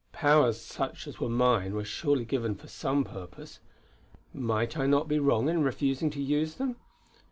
Powers such as were mine were surely given for some purpose. Might I not be wrong in refusing to use them.